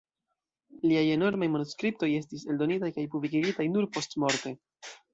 Liaj enormaj manuskriptoj estis eldonitaj kaj publikigitaj nur postmorte.